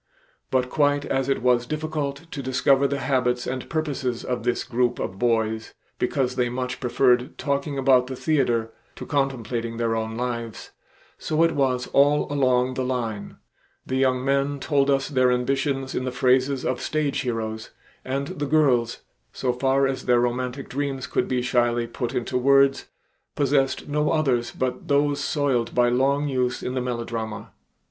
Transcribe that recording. But quite as it was difficult to discover the habits and purposes of this group of boys because they much preferred talking about the theater to contemplating their own lives, so it was all along the line; the young men told us their ambitions in the phrases of stage heroes, and the girls, so far as their romantic dreams could be shyly put into words, possessed no others but those soiled by long use in the melodrama.